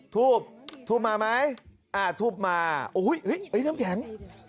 ทูบทูบมาไหมทูบมาน้ำแข็ง